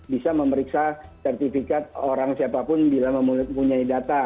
bisa memeriksa sertifikat orang siapapun bila mempunyai data